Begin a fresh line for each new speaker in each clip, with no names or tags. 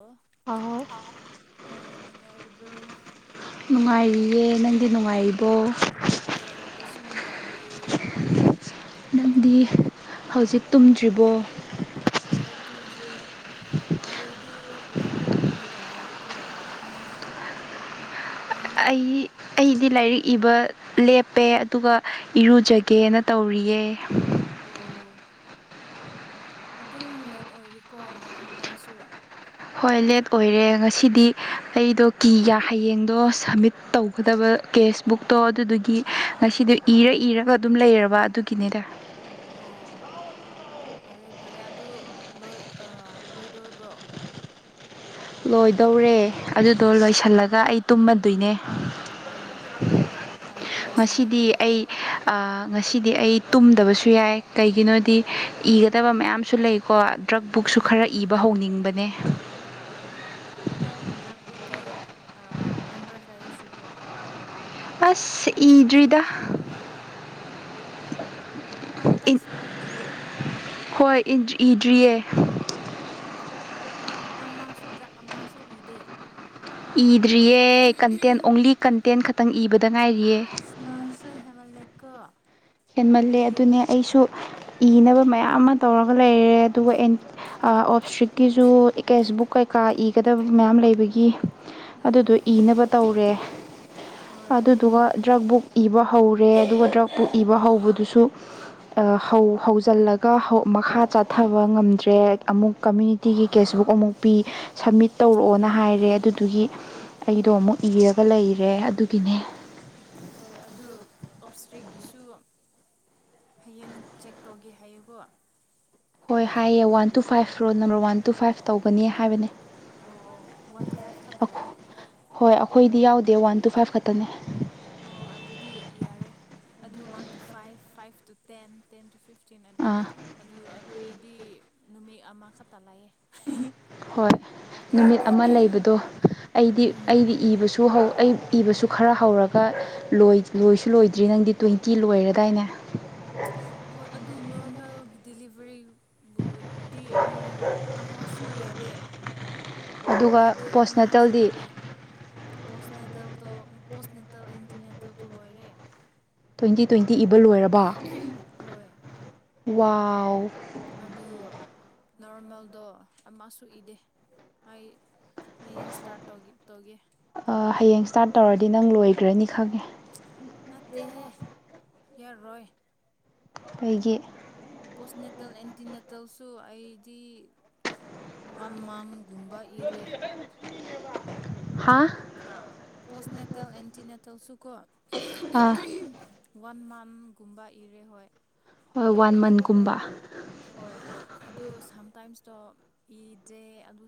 ꯑꯣ
ꯑ
ꯅꯨꯡꯉꯥꯏꯔꯤꯕ꯭ꯔꯣ
ꯅꯨꯡꯉꯥꯏꯔꯤꯌꯦ ꯅꯪꯗꯤ ꯅꯨꯡꯉꯥꯏꯔꯤꯕꯣ
ꯍꯣꯏ ꯑꯩꯁꯨ ꯅꯨꯡꯉꯥꯏꯔꯤꯌꯦꯦ
ꯅꯪꯗꯤ ꯍꯧꯖꯤꯛ ꯇꯨꯝꯗ꯭ꯔꯤꯕꯣ
ꯍꯣꯏ ꯇꯨꯝꯗ꯭ꯔꯦ ꯑꯩꯗꯤ ꯂꯥꯏꯔꯤꯛ ꯏꯔꯦ ꯒ ꯂꯩꯀꯣ ꯅꯪ ꯅꯪꯗꯤ
ꯑꯩ ꯑꯩꯗꯤ ꯂꯥꯏꯔꯤꯛ ꯏꯕ ꯂꯦꯞꯄꯦ ꯑꯗꯨꯒ ꯏꯔꯨꯖꯒꯦꯅ ꯇꯧꯔꯤꯌꯦ
ꯑꯣ ꯑꯗꯨꯝ ꯂꯦꯠ ꯑꯣꯏꯔꯤꯀꯣ ꯅ ꯅꯥꯟꯁꯨ
ꯍꯣꯏ ꯂꯦꯠ ꯑꯣꯏꯔꯦ ꯉꯁꯤꯗꯤ ꯑꯩꯗꯣ ꯀꯤꯒ ꯍꯌꯦꯡꯗꯣ ꯁꯝꯃꯤꯠ ꯇꯧꯒꯗꯕ ꯀꯦꯁꯕꯨꯛꯇꯣ ꯑꯗꯨꯗꯨꯒꯤ ꯉꯁꯤꯗꯤ ꯏꯔ ꯏꯔꯒ ꯑꯗꯨꯝ ꯂꯩꯔꯕ ꯑꯗꯨꯒꯤꯅꯤꯗ
ꯑꯣ ꯐꯔꯦ ꯐꯔꯦ ꯑꯗꯨ ꯂꯣꯏꯗꯣꯔꯤꯕ꯭ꯔꯣ
ꯂꯣꯏꯗꯧꯔꯦ ꯑꯗꯨꯗꯣ ꯂꯣꯏꯁꯤꯜꯂꯒ ꯑꯩ ꯇꯨꯝꯃꯗꯣꯏꯅꯦ
ꯑꯣ ꯍꯣꯏ ꯍꯣꯏ ꯐꯔꯦ ꯐꯔꯦ ꯁꯨꯃꯥꯏꯅ
ꯉꯁꯤꯗꯤ
ꯇꯧꯔꯣ
ꯑꯩ ꯉꯁꯤꯗꯤ ꯑꯩ ꯇꯨꯝꯗꯕꯁꯨ ꯌꯥꯏ ꯀꯩꯒꯤꯅꯣꯗꯤ ꯏꯒꯗꯕ ꯃꯌꯥꯝꯁꯨ ꯂꯩꯀꯣ ꯇ꯭ꯔꯛ ꯕꯨꯛꯁꯨ
ꯎꯝ
ꯈꯔ ꯏꯕ ꯍꯧꯅꯤꯡꯕꯅꯦ
ꯑꯣ ꯅꯪ ꯗ꯭ꯔꯛ ꯕꯨꯗꯤ ꯅꯝꯕꯜ ꯀꯌꯥꯁꯔꯤ
ꯑꯁ ꯏꯗꯔꯤꯗ
ꯑꯝꯇꯁꯨ ꯏꯗ꯭ꯔꯦ
ꯍꯣꯏ ꯏꯗ꯭ꯔꯤꯌꯦ
ꯅ ꯑꯃꯁꯨ ꯗ꯭ꯔꯛ ꯑꯃꯁꯨ ꯏꯗꯦ
ꯏꯗ꯭ꯔꯤꯌꯦ ꯀꯟꯇꯦꯟ ꯑꯣꯡꯂꯤ ꯀꯟꯇꯦꯟ ꯈꯛꯇꯪ ꯏꯕꯗ ꯉꯥꯏꯔꯤꯌꯦ
ꯃꯥꯟꯁꯨ ꯍꯦꯃꯂꯀꯥ
ꯍꯦꯟꯃꯜꯂꯦ ꯑꯗꯨꯅꯦ ꯑꯩꯁꯨ ꯏꯅꯕ ꯃꯌꯥꯝ ꯑꯃ ꯇꯧꯔꯒ ꯂꯩꯔꯦ ꯑꯗꯨꯒ ꯑꯣꯞ ꯏꯁꯇ꯭ꯔꯤꯛꯀꯤꯖ ꯀꯦꯁ ꯕꯨꯛ ꯀꯩꯀꯥ ꯏꯒꯗꯕ ꯃꯌꯥꯝ ꯂꯩꯕꯒꯤ ꯑꯗꯨꯗꯣ
ꯎꯝ
ꯏꯅꯕ ꯇꯧꯔꯦ
ꯍꯣꯏ ꯑꯗꯨꯅꯦ
ꯑꯗꯨꯗꯨꯒ ꯗ꯭ꯔꯛ ꯕꯨꯛ ꯏꯕ ꯍꯧꯔꯦ ꯑꯗꯨꯒ ꯗ꯭ꯔꯛꯄꯨ ꯏꯕ ꯍꯧꯕꯗꯨꯁꯨ ꯍꯧꯖꯤꯜꯂꯒ ꯃꯈꯥ ꯆꯥꯊꯕ ꯉꯝꯗ꯭ꯔꯦ ꯑꯃꯨꯛ ꯀꯝꯃꯨꯅꯤꯤ ꯇꯤꯒꯤ ꯀꯦꯁꯕꯨꯛ ꯑꯃꯨꯛ ꯄꯤ ꯁꯕꯃꯤꯠ ꯇꯧꯔꯛꯑꯣꯅ ꯍꯥꯏꯔꯦ ꯑꯗꯨꯗꯨꯒꯤ ꯑꯩꯗꯣ ꯑꯃꯨꯛ ꯏꯔꯒ ꯂꯩꯔꯦ ꯑꯗꯨꯒꯤꯅꯦ
ꯍꯣꯏ ꯑꯗꯨ ꯑꯣꯞꯁꯇ꯭ꯔꯤꯛꯀꯤꯁꯨ ꯍꯌꯦꯡ ꯆꯦꯛ ꯇꯧꯒꯦ ꯍꯥꯏꯌꯨꯀꯣ
ꯍꯣꯏ ꯍꯥꯏꯌꯦ one two five road number one two five ꯇꯧꯧꯕꯅꯤ ꯍꯥꯏꯕꯅꯦ
ꯑꯣ ꯋꯥꯟ ꯇꯨ ꯐꯥꯏꯚ ꯈꯇꯔꯥ
ꯍꯣꯏ ꯑꯩꯈꯣꯏꯗꯤ ꯌꯥꯎꯗꯦ ꯋꯥꯟ ꯇꯨ ꯐꯥꯏꯕ ꯈꯛꯇꯅꯦ
ꯑꯣ ꯑꯗꯨꯗꯤ ꯌꯥꯔꯦ ꯑꯗꯨ one two five five two ten ten two ꯐꯤꯐ ꯛꯆꯤꯡ ꯑꯗꯣ
ꯑꯥ
ꯑꯗꯨ ꯑꯩꯈꯣꯏꯗꯤ ꯅꯨꯃꯤꯠ ꯑꯃꯈꯛꯇ ꯂꯩꯌꯦꯦ
ꯍꯣꯏ ꯅꯨꯃꯤꯠ ꯑꯃ ꯂꯩꯕꯗꯣ ꯑꯩꯗꯤ ꯑꯩꯗꯤ ꯏꯕꯁꯨ ꯍꯧ ꯑꯩ ꯏꯕꯁꯨ ꯈꯔ ꯍꯧꯔꯒ ꯂꯣꯏꯁꯨ ꯂꯣꯏꯗ꯭ꯔꯤ ꯅꯪꯗꯤ ꯇ꯭ꯋꯦꯟꯇꯤ ꯂꯣꯏꯔꯗꯥꯏꯅꯦ
ꯍꯣꯏ ꯑꯗꯨ ꯅꯣꯔꯃꯦꯜ ꯗꯤꯂꯤꯚꯔꯤ ꯗꯤ ꯑꯩ ꯑꯃꯁꯨ ꯌꯥꯗꯦ
ꯑꯗꯨꯒ
ꯏꯗꯦ ꯑꯃꯁꯨ
ꯄꯣꯁꯅꯦꯇꯦꯜꯗꯤ
ꯏꯗꯦ ꯄꯣꯁꯅꯦꯗꯦꯜꯗꯣ ꯄꯣꯁꯅꯦꯇꯜ ꯑꯦꯟꯇꯤꯅꯦꯗꯜꯗꯣ ꯂꯣꯏꯔꯦ
ꯇ꯭ꯋꯦꯟꯇꯤ ꯇ꯭ꯋꯦꯟꯇꯤ ꯏꯕ ꯂꯣꯏꯔꯕ
ꯍꯣꯏ
ꯋꯥꯎ
ꯑꯗꯨ ꯅꯣꯔꯃꯦꯜꯗꯣ ꯑꯃꯁꯨ ꯏꯗꯦ ꯍꯥꯏ ꯍꯌꯦꯡ ꯁꯇꯥꯔꯠ ꯇꯧ ꯇꯧꯒꯦ
ꯍꯌꯦꯡ ꯏꯁꯇꯥꯔꯠ ꯇꯧꯔꯗꯤ ꯅꯪ ꯂꯣꯏꯈ꯭ꯔꯅꯤ ꯈꯪꯉꯦ
ꯅꯠꯇꯦꯍꯦ ꯌꯥꯔꯣꯏ
ꯀꯩꯒꯤ
ꯄꯣꯁꯅꯦꯇꯜ ꯑꯦꯟꯇꯤꯅꯦꯇꯜꯁꯨ ꯑꯩꯗꯤ ꯋꯥꯟ ꯃꯝꯒꯨꯝꯕ ꯏꯔ‌ꯦ
ꯍꯥꯥ
ꯄꯣꯁꯅꯦꯇꯦꯜ ꯑꯦꯟꯇꯤꯅꯦꯇꯦꯜꯁꯨꯀꯣ
ꯑꯥ
ꯋꯥꯟ ꯃꯟꯒꯨꯝꯕ ꯏꯔꯦ ꯍꯣꯏ
ꯍꯣꯏ ꯋꯥꯟ
ꯏꯔꯒ ꯂꯔꯦ
ꯃꯟꯀꯨꯝꯕ
ꯍꯣꯏ ꯑꯗꯨ ꯁꯝꯇꯥꯏꯝꯁꯇꯣ ꯏꯗ꯭ꯔꯦ ꯑꯗꯨ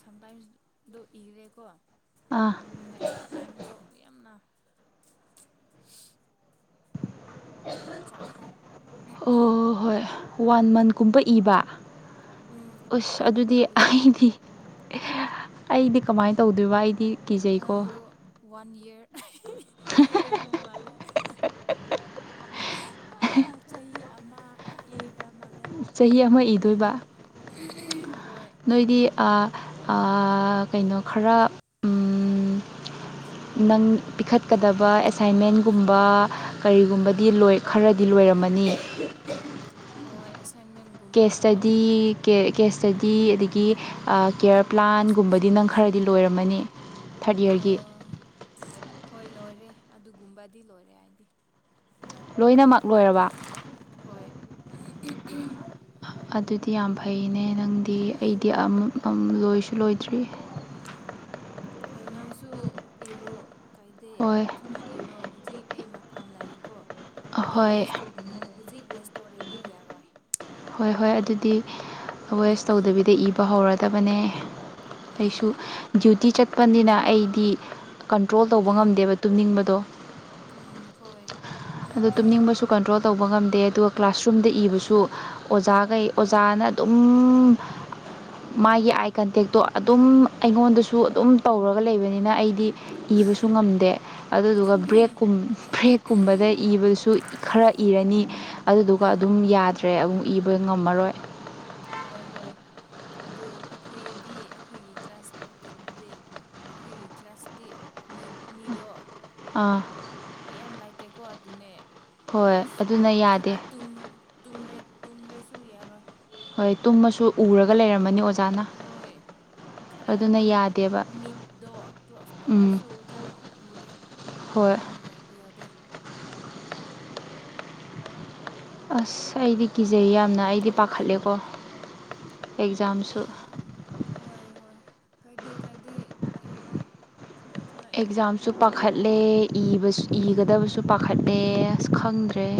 ꯁꯝꯇꯥꯏꯝꯁꯗꯣ ꯏꯔꯦꯀꯣ
ꯑꯥ
ꯑꯗꯨꯅꯦ ꯇꯥꯏꯝꯗꯣ ꯌꯥꯝꯅ ꯆꯠꯈ꯭ꯔꯦ
ꯍꯣꯏ ꯍꯣꯏ ꯋꯥꯟ ꯃꯟꯀꯨꯝꯕ ꯏꯕ
ꯎꯝ ꯋꯥꯟ
ꯑꯁ
ꯃꯟꯒꯨꯝꯕ
ꯑꯗꯨꯗꯤ
ꯏꯔꯦ
ꯑꯩꯗꯤ ꯑꯩꯗꯤ ꯀꯃꯥꯏꯅ ꯇꯧꯗꯣꯏꯕ ꯑꯩꯗꯤ ꯀꯤꯖꯩꯀꯣ
ꯅꯪꯗꯨ ꯋꯥꯟ ꯏꯌꯔ ꯏꯔꯕ ꯃꯥꯜꯂꯦ ꯆꯍꯤ ꯑꯃꯈꯛ ꯏꯕ [unintelligible]
ꯆꯍꯤ ꯑꯃ
ꯅꯪꯗꯣ
ꯏꯗꯣꯏꯕ
ꯍꯣꯏ
ꯅꯣꯏꯗꯤ ꯑꯥ ꯑꯥ ꯀꯩꯅꯣ ꯈꯔ
[unintelligible]
ꯅꯪ ꯄꯤꯈꯠꯀꯗꯕ ꯑꯦꯁꯥꯏꯟꯃꯦꯟꯒꯨꯝꯕ ꯀꯔꯤꯒꯨꯝꯕꯗꯤ ꯂ‌ꯣꯏ ꯈꯔꯗꯤ ꯂꯣꯏꯔꯝꯃꯅꯤ
ꯍꯣꯏ ꯑꯦꯁꯥꯏꯟꯃꯦꯟ
ꯀꯦꯁ ꯁ꯭ꯇꯗꯤ ꯀꯦ ꯀꯦꯁ ꯁ꯭ꯇꯗꯤ ꯑꯗꯒꯤ ꯑꯥ ꯀꯦꯌꯔ
ꯀꯦꯁ
ꯄ꯭ꯂꯥꯟꯒꯨꯝꯕꯗꯤ ꯅꯪ ꯈꯔꯗꯤ
ꯄ꯭ꯔꯖꯦꯟꯇꯦꯁꯟꯒꯨꯝꯕ
ꯂꯣꯏꯔꯝꯃꯅꯤ ꯊꯥꯔꯠ ꯏꯌꯥꯔꯒꯤ
ꯎꯝ ꯍꯣꯏ ꯂꯣꯏꯔꯦ ꯑꯗꯨꯒꯨꯝꯕꯗꯤ ꯂꯣꯏꯔꯦ ꯍꯥꯏꯗꯤ
ꯂꯣꯏꯅꯃꯛ ꯂꯣꯏꯔꯕ
ꯍꯣꯏ
ꯑꯗꯨꯗꯤ ꯌꯥꯝ ꯐꯩꯅꯦ ꯅꯪꯗꯤ ꯑꯩꯗꯤ ꯑꯝ ꯑꯃ ꯂꯣꯏꯁꯨ ꯂꯣꯏꯗ꯭ꯔꯤ
ꯍꯣꯏ ꯅꯪꯁꯨ ꯏꯔꯣ ꯀꯥꯏꯗꯦ
ꯍꯣꯏ
ꯊꯨꯅ ꯏꯔꯣ ꯍꯧꯖꯤꯛꯇꯤ ꯃꯐꯝ ꯂꯩꯀꯣ ꯑꯗꯨ
ꯍꯣꯏ
ꯋꯦꯁ ꯇꯧ ꯒꯅꯨ ꯍꯧꯖꯤꯛ ꯋꯦꯁ ꯇꯧꯔꯦꯗꯤ ꯌꯥꯔꯣꯏ
ꯍꯣꯏ ꯍꯣꯏ ꯑꯗꯨꯗꯤ
ꯎꯝ
ꯋꯦꯁ ꯇꯧꯗꯕꯤꯗ ꯏꯕ ꯍꯧꯔꯗꯕꯅꯦ
ꯍꯣꯏ
ꯑꯩꯁꯨ
ꯍꯣꯏ
ꯗ꯭ꯌꯨꯇꯤ ꯆꯠꯄꯅꯤꯅ ꯑꯩꯗꯤ ꯀꯟꯇ꯭ꯔꯣꯜ ꯇꯧꯕ
ꯎꯝ
ꯉꯝꯗꯦꯕ ꯇꯨꯝꯅꯤꯡꯕꯗꯣ
ꯎꯝ ꯍꯣꯏ
ꯑꯗꯣ ꯇꯨꯝꯅꯤꯡꯕꯁꯨ ꯀꯟꯇ꯭ꯔꯣꯜ ꯇꯧꯕ ꯉꯝꯗꯦ ꯑꯗꯨꯒ ꯀ꯭ꯂꯥꯁꯔꯨꯝꯗ ꯏꯕꯁꯨ ꯑꯣꯖꯥꯈꯩ ꯑꯣꯖꯥꯅ ꯑꯗꯨꯝ ꯃꯥꯒꯤ ꯑꯥꯏ ꯀꯟꯇꯦꯛꯇꯣ ꯑꯗꯨꯝ ꯑꯩꯉꯣꯟꯗꯁꯨ ꯑꯗꯨꯝ ꯇꯧꯔꯒ ꯂꯩꯕꯅꯤꯅ ꯑꯩ ꯗꯤ ꯏꯕꯁꯨ ꯉꯝꯗꯦ ꯑꯗꯨꯗꯨꯒ
ꯆꯨꯝꯃꯦ
ꯕ꯭ꯔꯦꯛꯀꯨꯝ ꯕ꯭ꯔꯦꯛꯀꯨꯝꯕꯗ ꯏꯕꯗꯨꯁꯨ ꯈꯔ ꯏꯔꯅꯤ ꯑꯗꯨꯗꯨꯒ
ꯎꯝ
ꯑꯗꯨꯝ ꯌꯥꯗ꯭ꯔꯦ ꯑꯃꯨꯛ ꯏꯕ ꯉꯝꯃꯔꯣꯏ
ꯍꯣꯏ ꯍꯣꯏ ꯑꯗꯨ ꯑꯩꯈꯣꯏꯗꯤ ꯑꯩꯈꯣꯏꯒꯤ ꯀ꯭ꯂꯥꯁꯗ ꯗꯤ ꯑꯩꯈꯣꯏꯒꯤ ꯀ꯭ꯂꯥꯁꯗꯤ ꯃꯤ ꯃꯤꯗꯣ
ꯑꯥ
ꯃꯌꯥꯝ ꯂꯩꯥꯇꯦꯀꯣ ꯑꯗꯨꯅꯦ
ꯍꯣꯏ
ꯑꯁ
ꯑꯗꯨꯅ ꯌꯥꯗꯦ
ꯈꯔ ꯇꯨꯝ ꯇꯨꯝꯔ ꯇꯨꯝꯔꯁꯨ ꯌꯥꯔꯣꯏ
ꯍꯣꯏ ꯇꯨꯝꯃꯁꯨ ꯎꯔꯒ ꯂꯩꯔꯝꯃꯅꯤ ꯑꯣꯖꯥ
ꯍꯣꯏ ꯈꯔ ꯑꯅꯨꯝ
ꯌꯥꯗꯦꯕ
ꯃꯤꯠꯗ‌ꯣ ꯀ꯭ꯂꯣꯁ
ꯎꯝ
ꯇꯧꯔꯁꯨ ꯆꯥꯅ ꯎꯔꯦ
ꯍꯣꯏ
ꯑꯗꯨꯅ ꯌꯥ ꯌꯥꯗꯦ
ꯑꯁ ꯑꯩꯗꯤ ꯀꯤꯖꯩ ꯌꯥꯝꯅ ꯑꯩꯗꯤ ꯄꯥꯈꯠꯂꯦꯀꯣ ꯑꯦꯛꯖꯥꯝꯁꯨ
ꯍꯣꯏ ꯍꯣꯏ ꯀꯥꯏꯗꯦ ꯀꯥꯏꯗꯦ ꯏꯔꯣ ꯊꯨꯅ ꯊꯨꯅ ꯏꯔꯣ
ꯁꯨ ꯄꯥꯈꯠꯂꯦ ꯏꯕꯁꯨ
ꯎꯝ
ꯏꯒꯗꯕꯁꯨ ꯄꯥꯈꯠꯂꯦ ꯑꯁ ꯈꯪꯗ꯭ꯔꯦ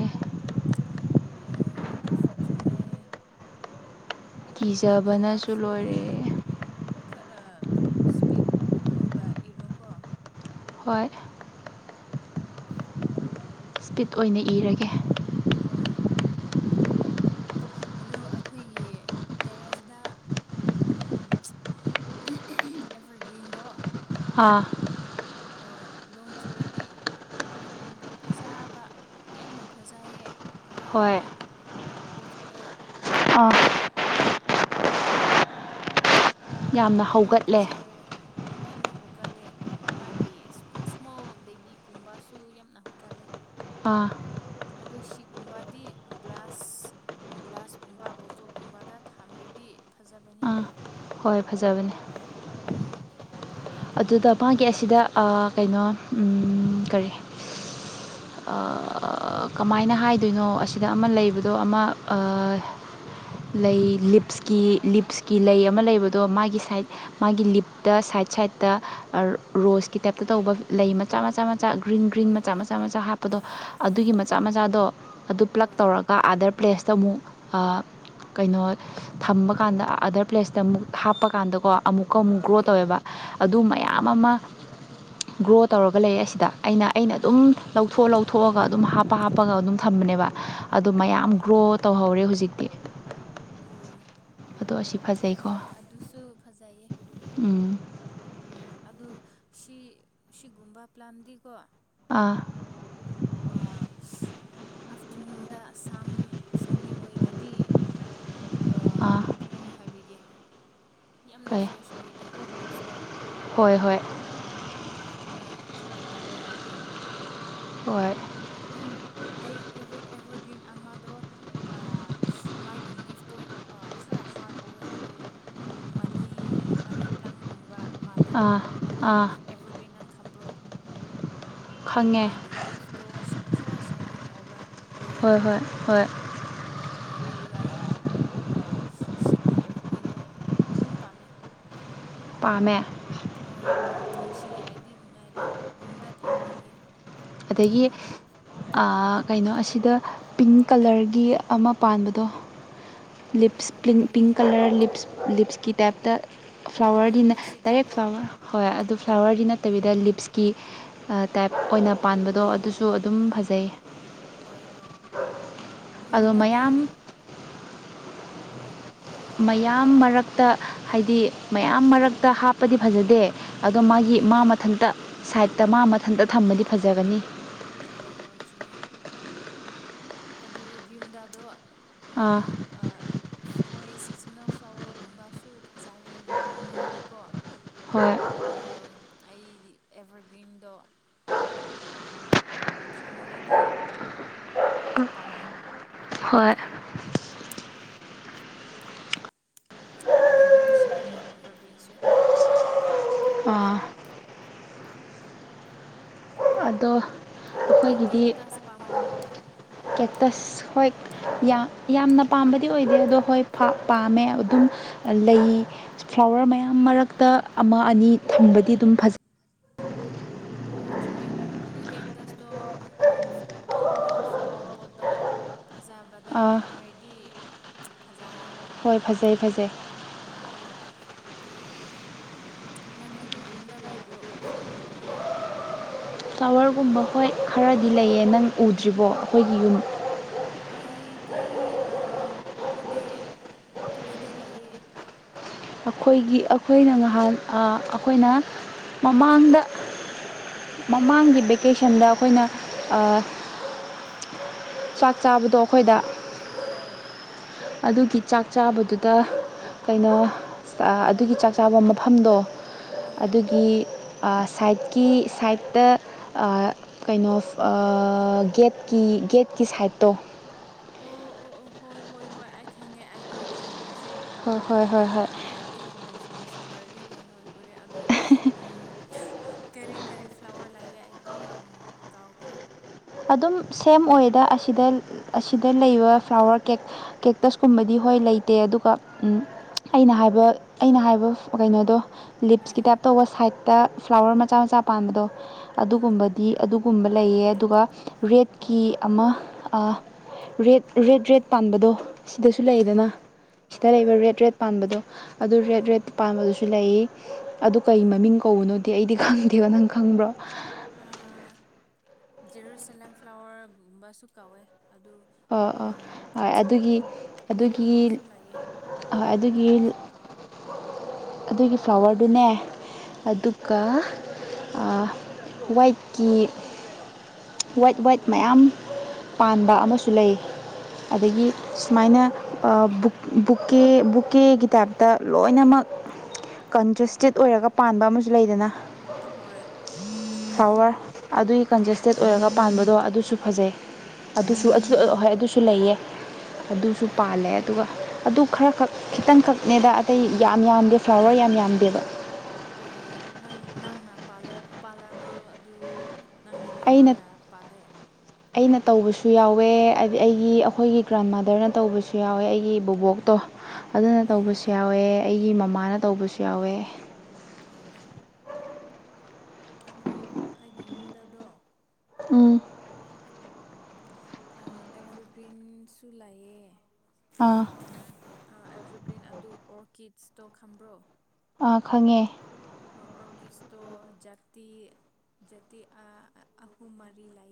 ꯍꯣꯏ ꯑꯗꯨꯁꯨ ꯆꯨꯝꯃꯦ ꯑꯗꯨ ꯀꯥꯏꯗꯦ
ꯀꯤꯖꯕꯅꯁꯨ
ꯅꯪꯁꯨ
ꯂꯣꯏꯔꯦ
ꯈꯔ ꯏꯁꯄꯤꯠ ꯑꯣꯏꯕ ꯏꯔꯣꯀꯣ
ꯍꯣꯏ ꯁ꯭ꯄꯤꯠ ꯑꯣꯏꯅ ꯏꯔꯒꯦ
ꯍꯣꯏ ꯑꯗꯨ ꯑꯩꯈꯣꯏꯒꯤ ꯇꯦꯔꯦꯁꯗ ꯎꯝ [unintelligible] ꯑꯦꯕꯔꯒ꯭ꯔꯤꯟꯗꯣ
ꯑꯥ
ꯍꯣꯏ ꯂꯣꯡ ꯆꯨꯔꯗꯤ ꯑꯦꯕꯔꯒ꯭ꯔꯤꯟꯗꯣ ꯐꯖꯕ ꯌꯥꯝꯅ ꯐꯖꯩꯌꯦ ꯃꯌꯥꯝ
ꯍꯣꯏ
ꯂꯧꯊꯣꯛꯑꯦ
[unintelligible]
ꯌꯥꯝꯅ ꯐꯖꯔꯦ ꯎꯝ ꯌꯥꯝꯅ ꯍꯣꯒꯠꯂꯦ ꯃꯥꯒꯤ ꯏꯁꯃꯣꯜ ꯏꯁꯃꯣꯜ ꯕꯦꯕꯤꯒꯨꯝꯕꯁꯨ ꯌꯥꯝꯅ ꯍꯧꯒꯜꯂꯦ
ꯑꯥ
ꯑꯗꯨ ꯁꯤꯒꯨꯝꯕꯗꯤ ꯒ꯭ꯂꯥꯁ ꯒ꯭ꯂꯥꯁꯒꯨꯝꯕ ꯕꯣꯇꯜꯒꯨꯝꯕꯗ ꯊꯝꯔꯗꯤ ꯐꯖꯕꯅꯤ
ꯑꯥ ꯍꯣꯏ ꯐꯖꯕꯅꯦ
ꯎꯝ
ꯑꯗꯨꯗ ꯃꯥꯒꯤ ꯑꯁꯤꯗ ꯑꯥ ꯀꯩꯅꯣ ꯎꯝ ꯀꯔꯤ
[inaudible]
ꯑꯥ ꯀꯃꯥꯏꯅ ꯍꯥꯏꯗꯣꯏꯅꯣ ꯑꯁꯤꯗ ꯑꯃ ꯂꯩꯕꯗꯣ ꯑꯃ ꯑꯥ ꯂꯩ ꯂꯤꯞꯁꯀꯤ ꯂꯤꯞꯁꯀꯤ ꯂꯩ ꯑꯃ ꯂꯩꯕꯗꯣ ꯃꯥꯒꯤ ꯁꯥꯏꯠ ꯃꯥꯒꯤ ꯂꯤꯞꯇ ꯁꯥꯏꯠ ꯁꯥꯏꯠꯇ ꯑ ꯔꯣꯁꯀꯤ ꯇꯥꯏꯞꯇ ꯇꯧꯕ ꯂꯩ ꯃꯆꯥ ꯃꯆꯥ ꯆꯥ ꯒ꯭ꯔꯤꯟ ꯒ꯭ꯔꯤꯟ
ꯍꯣꯏ
ꯃꯆꯥ
ꯍꯣꯏ
ꯃꯆꯥ
ꯍꯣꯏ
ꯃꯆꯥ ꯍꯥꯞꯄꯗꯣ ꯑꯗꯨꯒꯤ ꯃꯆꯥ ꯃꯆꯥꯗꯣ ꯑꯗꯨ ꯄ꯭ꯂꯛ
ꯍꯣꯏ
ꯇꯧꯔ ꯑ ꯑꯥꯗꯔ ꯄ꯭ꯂꯦꯁꯇ ꯑꯃꯨꯛ ꯑꯥ ꯀꯩꯅꯣ ꯊꯝꯕ ꯀꯥꯟꯗ ꯑꯗꯔ ꯄ꯭ꯂꯦꯁꯇ ꯑꯃꯨꯛ ꯍꯥꯞꯄꯀꯥꯟꯗꯀꯣ ꯑꯃꯨꯛꯀ ꯑꯃꯨꯛ ꯒ꯭ꯔꯣ
ꯍꯣꯏ
ꯇꯧꯋꯦꯕ ꯑꯗꯨ
ꯍꯣꯏ
ꯃꯌꯥꯝ ꯑꯃ
[inaudible]
ꯒ꯭ꯔꯣ ꯇꯧꯔꯒ ꯂꯩꯌꯦ ꯑꯁꯤꯗ ꯑꯩꯅ ꯑꯩꯅ ꯑꯗꯨꯝ ꯂꯧꯊꯣꯛꯑ ꯂꯧꯊꯣꯛꯑꯒ ꯑꯗꯨꯝ ꯍꯥꯞꯄ ꯍꯥꯞꯄꯒ ꯑꯗꯨꯝ ꯊꯝꯕꯅꯦꯕ ꯑꯗꯨ ꯃꯌꯥꯝ
ꯑꯣ
ꯒ꯭ꯔꯣ ꯇꯧꯍꯧꯔꯦ ꯍꯨꯖꯤꯛꯇꯤ
ꯑꯣ
ꯑꯗꯨ ꯑꯁꯤ ꯐꯖꯩꯀꯣ
ꯍꯣꯏ ꯑꯗꯨꯁꯨ ꯐꯖꯩꯌꯦ
ꯎꯝ
ꯎꯝ ꯑꯗꯨ ꯁꯤ ꯁꯤꯒꯨꯝꯕ ꯄ꯭ꯂꯥꯟꯗꯤꯀꯣ
ꯑꯥ
ꯑꯥ [unintelligible] ꯑꯥꯐꯇꯔꯅꯨꯟꯗ ꯁꯝ ꯁꯅꯤ ꯑꯣꯏꯔꯗꯤ ꯑꯥ ꯀꯃꯥꯏꯅ ꯍꯥꯏꯕꯤꯒꯦ ꯌꯥꯝꯅ
ꯀꯩ
ꯐ꯭ꯔꯦꯁ ꯑꯣꯏꯗꯦꯀꯣ ꯂꯨꯛꯁꯇꯣ
ꯍꯣꯏ ꯍꯣꯏ
ꯎꯝ ꯑꯗꯨꯅ ꯈꯔ ꯇꯜꯂꯦ ꯑꯩꯗꯤ
ꯍꯣꯏ
ꯑꯩ ꯑꯦꯚꯔ ꯑꯦꯚꯔꯒ꯭ꯔꯤꯟ ꯑꯃꯗꯣ ꯑꯥ ꯃꯥꯒꯤ ꯂꯤꯐꯇꯣ ꯑꯥ ꯈꯔ ꯍꯥꯔꯗ ꯑꯣꯑꯦ ꯑꯗꯨ ꯎꯝ ꯃꯅꯤ ꯃꯅꯤ ꯄ꯭ꯂꯥꯡꯒꯨꯝꯕ ꯃꯥꯜꯂꯦꯀꯣ
ꯑꯥ
ꯑꯗꯨ
ꯑꯥ
ꯑꯦꯕꯔꯒ꯭ꯔꯤꯟ ꯅꯪ ꯈꯝꯕ꯭ꯔꯣ
ꯈꯪꯉꯦ
ꯃꯥ ꯒꯤ ꯂꯤꯐꯇꯣ ꯁ ꯈꯔ ꯁꯥꯏꯅꯤꯟ ꯑꯣꯕ ꯑꯣꯏꯌꯦ
ꯍꯣꯏ ꯍꯣꯏ ꯍꯣꯏ
ꯍꯣꯏ ꯑꯗꯨ ꯑꯩ ꯑꯥ ꯁꯤꯒꯤ ꯑꯦꯕꯔꯒ꯭ꯔꯤꯟꯗꯣ ꯑꯗꯨꯝ ꯄꯥꯝꯃꯦ
ꯄꯥꯝꯃꯦ
ꯍꯣꯏ ꯅꯨꯡ ꯅꯨꯡꯁꯤꯌꯦ ꯑꯩꯗꯤ ꯅꯨꯡꯉꯥꯏꯔꯦ ꯌꯨꯝꯗ ꯊꯝꯅꯤꯡꯉꯦ
ꯑꯗꯒꯤ
ꯑꯩꯒꯤ ꯌꯨꯝꯗ
ꯑꯥ ꯀꯩꯅꯣ ꯑꯁꯤꯗ ꯄꯤꯡ ꯀꯂꯔꯒꯤ ꯑꯃ ꯄꯥꯟꯕꯗꯣ ꯂꯤꯞꯁ
ꯑꯣ
ꯄꯤꯡ
ꯀꯔꯤ
ꯄꯤꯡ ꯀꯂꯔ ꯂꯤꯞꯁ ꯂꯤꯞꯁꯀꯤ ꯇꯥꯏꯞꯇ
ꯍꯣꯏ
ꯐ꯭ꯂꯥꯋꯔꯗꯤꯅ
ꯍꯣꯏ
ꯗꯥꯏꯔꯦꯛ
ꯁꯤꯗꯀꯣ
ꯐ꯭ꯂꯥꯋꯔ ꯍꯣꯏ ꯑꯗꯨ ꯐ꯭ꯂꯥꯋꯔꯗꯤ ꯅꯠꯇꯕꯤꯗ
ꯎꯝ
ꯂꯤꯞꯁꯀꯤ ꯑꯥ ꯇꯥꯏꯞ ꯑꯣꯏꯅ ꯄꯥꯟꯕꯗꯣ ꯑꯗꯨꯁꯨ ꯑꯗꯨꯝ
ꯎꯝ
ꯐꯖꯩ
ꯍꯣꯏ ꯍꯣꯏ
ꯑꯗꯣ
ꯌꯨꯝꯗꯗꯤ
ꯃꯌꯥꯝ
ꯍꯣꯏ ꯍꯥꯏꯔꯣ
ꯃꯥꯌꯥꯝ ꯃꯔꯛꯇ ꯍꯥꯏꯗꯤ ꯃꯌꯥꯝ ꯃꯔꯛꯇ ꯍꯥꯞꯄꯗꯤ ꯐꯖꯗꯦ ꯑꯗꯣ ꯃꯥꯒꯤ
ꯍꯣꯏ
ꯃꯥ ꯃꯠ ꯃꯊꯟꯇ ꯁꯥꯏꯠꯇ ꯃꯥ ꯃꯊꯟꯇ ꯊꯝꯃꯗꯤ ꯐꯖꯒꯅꯤ
ꯍꯣꯏ ꯍꯣꯏ ꯆꯨꯝꯃꯦ ꯑꯗꯨ ꯌꯨꯝꯗꯗꯣ ꯌꯨꯝ
ꯑꯥ
ꯑꯥ ꯍꯣꯏ ꯁꯤꯖꯤꯟꯅꯧ ꯐ꯭ꯂꯋꯔꯒꯨꯝꯕꯁꯨ ꯐꯖꯔꯦ ꯅꯨꯡꯉꯥꯏꯔꯦꯀꯣ
ꯍꯣꯏ
ꯑꯗꯨ ꯑꯩꯗꯤ ꯑꯦꯚꯔꯒ꯭ꯔꯤꯟꯗꯣ ꯑꯥ ꯊꯝꯔꯗꯤ ꯄꯥꯝꯃꯦ
ꯎꯝ ꯍꯣꯏ
ꯗꯦꯀꯣꯔꯦꯁꯟꯅꯦ ꯑꯦꯕꯔꯒ꯭ꯔꯤꯟꯁꯨ
ꯑꯥ ꯑꯗꯣ
ꯅꯪ
ꯑꯈꯣꯏꯒꯤꯗꯤ
ꯀꯦꯛꯇꯁ ꯄꯥꯝꯕ꯭ꯔꯣ
ꯀꯦꯛꯇꯁ ꯍꯣꯏ ꯌꯥꯝ ꯌꯥꯝꯅ ꯄꯥꯝꯕꯗꯤ ꯑꯣꯏꯗꯦ ꯑꯗꯣ ꯍꯣꯏ ꯄꯥꯝꯃꯦ ꯑꯗꯨꯝ ꯂꯩ ꯐ꯭ꯂꯥꯋꯔ ꯃꯌꯥꯝ ꯃꯔꯛꯇ ꯑꯃ ꯑꯅꯤ ꯊꯝꯕꯗꯤ ꯑꯗꯨꯝ ꯐꯖꯩ
ꯍꯣꯏ ꯆꯨꯝꯃꯦ ꯑꯗꯨ ꯀꯦꯛꯇꯁꯇꯣ ꯄꯣꯠꯇꯣ ꯐ꯭ꯂꯥꯋꯔ ꯄꯣꯠꯇꯣ ꯐꯖꯕꯗ
ꯑꯥ
ꯊꯝꯔꯗꯤ ꯐꯖꯔꯦ
ꯍꯣꯏ ꯐꯖꯩ ꯐꯖꯩ
ꯅꯈꯣꯏꯒꯤ ꯌꯨꯝꯗ ꯂꯕ꯭ꯔꯣ ꯐ꯭ꯂꯥꯋꯔꯒꯨꯝꯕ
ꯐ꯭ꯂꯥꯋꯔꯒꯨꯝꯕ ꯍꯣꯏ ꯈꯔꯗꯤ ꯂꯩꯌꯦ ꯅꯪ ꯎꯗ꯭ꯔꯤꯕꯣ ꯑꯈꯣꯏꯒꯤ ꯌꯨꯝ
ꯑꯩꯗꯤ ꯎꯗꯦ ꯀꯗꯥꯏꯗ ꯂꯩꯌꯦ
ꯑꯈꯣꯏꯒꯤ ꯑꯈꯣꯏꯅ ꯉꯍꯥꯟ ꯑꯈꯣꯏꯅ ꯃꯃꯥꯡꯗ ꯃꯃꯥꯡꯒꯤ ꯚꯦꯀꯦꯁꯟꯗ ꯑꯩꯈꯣꯏꯅ ꯑꯥ ꯆꯥꯛ ꯆꯥꯕꯗꯣ ꯑꯩꯈꯣꯏꯗ
ꯍꯣꯏ
ꯑꯗꯨꯒꯤ ꯆꯥꯛ ꯆꯥꯕꯗꯨꯗ ꯀꯩꯅꯣ ꯑꯥ ꯑꯗꯨꯒꯤ ꯆꯥꯛ ꯆꯥꯕ ꯃꯐꯝꯗꯣ
ꯍꯣꯏ
ꯑꯗꯨꯒꯤ ꯑꯥ ꯁꯥꯏꯠꯀꯤ ꯁꯥꯏꯠꯇ ꯑꯥ ꯀꯩꯅꯣ ꯑꯥ ꯒꯦꯠꯀꯤ ꯒꯦꯠꯀꯤ ꯁꯥꯏꯠꯇꯣ
ꯑꯣ ꯑꯣ ꯑꯣ ꯍꯣꯏ ꯍꯣꯏ ꯍꯣꯏ ꯑꯩ ꯈꯪꯉꯦ ꯑꯩ ꯎꯔꯦ ꯍꯧꯖꯤꯛ
ꯍꯣꯏ ꯍꯣꯏ ꯍꯣꯏ
ꯅꯪꯅ
ꯍꯣꯏ
ꯍꯥꯏꯔꯗꯤ ꯏꯃꯔꯖ ꯅꯦꯁꯟ ꯇꯧꯔꯗꯤ ꯍꯣꯏ ꯍꯣꯏ ꯎꯔꯦ ꯑꯗꯨ ꯀꯔꯤ ꯀꯔꯤ ꯐ꯭ꯂꯥꯋꯔ ꯂꯩꯑꯦ ꯑꯩꯗꯤ ꯀꯥꯎꯈ꯭ꯔꯦ
ꯑꯗꯨꯝ ꯁꯦꯝ ꯑꯣꯏꯗ ꯑꯁꯤꯗ ꯑꯁꯤꯗ ꯂꯩꯕ ꯐ꯭ꯂꯥꯋꯔ ꯀꯦꯛ ꯀꯦꯛꯇꯁꯀꯨꯝꯕꯗꯤ ꯍꯣꯏ ꯂꯩꯇꯦ ꯑꯗꯨꯒ ꯎꯝ ꯑꯩꯅ ꯍꯥꯏꯕ ꯑꯩꯅ ꯍꯥꯏꯕ ꯀꯩꯅꯣꯗꯣ ꯂꯤꯞꯁꯀꯤ ꯇꯥꯏꯞ
ꯎꯝ
ꯇꯧꯕ ꯁꯥꯏꯠꯇ ꯐ꯭ꯂꯥꯋꯔ ꯃꯆꯥ ꯃꯆꯥ ꯄꯥꯟꯕꯗꯣ
ꯎꯝ
ꯑꯗꯨꯒꯨꯝꯕꯗꯤ ꯑꯗꯨꯒꯨꯝꯕ ꯂꯩꯌꯦ ꯑꯗꯨꯒ ꯔꯦꯠꯀꯤ ꯑꯃ ꯑꯥ ꯔꯦꯠ ꯔꯦꯠ ꯔꯦꯠ ꯄꯥꯟꯕꯗꯣ ꯁꯤꯗꯁꯨ
ꯍꯣꯏ
ꯂꯩꯗꯅ
ꯍꯣꯏ
ꯁꯤꯗ
ꯍꯣꯏ
ꯂꯩꯕ
ꯍꯣꯏ
ꯔꯦꯠ ꯔꯦꯠ ꯄꯥꯟꯕꯗꯣ ꯑꯗꯨ ꯔꯦꯠ ꯔꯦꯠ
ꯎꯝ
ꯄꯥꯟꯕꯗꯨꯁꯨ ꯂꯩ ꯑꯗꯨ ꯀꯩ
ꯍꯣꯏ
ꯃꯃꯤꯡ ꯀꯧꯕꯅꯣꯗꯤ ꯑꯩꯗꯤ ꯈꯪꯗꯦꯕ ꯅꯪ ꯈꯪꯕ꯭ꯔꯣ
ꯑꯥ [unintelligible] ꯐ꯭ꯂꯥꯋꯔꯒꯨꯝꯕꯁꯨ ꯀꯧꯋꯦ ꯑꯗꯨ
ꯑ ꯑꯥ ꯍ ꯑꯗꯨꯒꯤ
ꯃꯤꯟ
ꯑꯗꯨꯒꯤ
ꯑꯃꯁꯨ ꯂꯩꯌꯦ
ꯍꯣꯏ
ꯑꯗꯨ
ꯑꯗꯨꯒꯤ
ꯑꯩꯩꯅꯁꯨ ꯀꯥꯎꯔꯦ
ꯑꯗꯨꯒꯤ ꯐ꯭ꯂꯥꯋꯔꯗꯨꯅꯦ
ꯎꯝ
ꯑꯗꯨꯒ ꯋꯥꯏꯀꯤ ꯋꯥꯏꯠ ꯋꯥꯏꯠ ꯃꯌꯥꯝ ꯄꯥꯟꯕ ꯑꯃꯁꯨ ꯂꯩ ꯑꯗꯒꯤ
ꯑꯣ
ꯁꯨꯃꯥꯏꯅꯕꯨ ꯕꯨꯛꯀꯦ ꯕꯨꯛꯀꯦꯒꯤ ꯇꯥꯏꯞꯇ ꯂꯣꯏꯅꯃꯛ ꯀꯟꯖꯦꯁꯇꯦꯠ ꯑꯣꯏꯔꯒ ꯄꯥꯟꯕ ꯑꯃꯁꯨ ꯂꯩꯗꯅ
ꯍꯣꯏ
ꯐ꯭ꯂꯥꯋꯔ ꯑꯗꯨꯒꯤ
ꯍꯣꯏ
ꯀꯟꯖꯦꯁꯇꯦꯠ
ꯍꯣꯏ
ꯑꯣꯏꯔꯒ ꯄꯥꯟꯕꯗꯣ ꯑꯗꯨꯁꯨ ꯐꯖꯩ ꯑꯗꯨꯁꯨ ꯑꯗꯨꯁꯨ ꯍꯣꯏ ꯑꯗꯨꯁꯨ ꯂꯩꯌꯦ ꯑꯗꯨꯁꯨ
ꯑꯣ
ꯄꯥꯜꯂꯦ ꯑꯗꯨꯒ ꯑꯗꯨ ꯈꯔꯈꯛ ꯈꯤꯇꯪꯈꯛꯅꯦꯗ ꯑꯇꯩ ꯌꯥꯝ ꯌꯥꯝꯗꯦ ꯐ꯭ꯂꯥꯋꯔ ꯌꯥꯝ ꯌꯥꯝꯗꯦꯕ
ꯑꯣ ꯅꯪ ꯅꯪꯅ ꯄꯥꯜꯂ ꯄꯥꯜꯂꯕ꯭ꯔꯣ ꯑꯗꯨ ꯅꯪꯒꯤ
ꯑꯩꯅ
ꯃꯃꯥꯅ ꯄꯥꯜꯂꯦ
ꯑꯩꯅ ꯇꯧꯕꯁꯨ ꯌꯥꯎꯋꯦ ꯍꯥꯏꯗꯤ ꯑꯩꯒꯤ ꯑꯈꯣꯏꯒꯤ ꯒ꯭ꯔꯥꯟꯃꯗꯔꯅ ꯇꯧꯕꯁꯨ ꯌꯥꯎꯋꯦ ꯑꯩꯒꯤ ꯕꯨꯕꯣꯛꯇꯣ ꯑꯗꯨꯅ
ꯎꯝ
ꯇꯧꯕꯁꯨ
ꯎꯝ
ꯌꯥꯎꯋꯦ ꯑꯩꯒꯤ ꯃꯃꯥꯅ ꯇꯧꯕꯁꯨ ꯌꯥꯎꯋꯦ
ꯑꯣ ꯑꯈꯣꯏ ꯑꯩꯒꯤ ꯌꯨꯝꯗꯗꯣ
ꯎꯝ
ꯑꯦꯚꯔꯒ꯭ꯔꯤꯟꯁꯨ ꯂꯌꯦ
ꯑꯥ
ꯑꯦꯚꯔꯒ꯭ꯔꯤꯟ ꯑꯗꯨ ꯑꯣꯔꯀꯤꯠ ꯁꯇꯣꯛ ꯈꯝꯕ꯭ꯔꯣ
ꯑꯥ ꯈꯪꯉꯦ
ꯑꯣꯔꯀꯤꯠꯁꯇꯣ ꯖꯥꯇꯤ ꯖꯇꯤ ꯑꯍꯨꯝ ꯃꯔꯤ ꯂꯥꯏ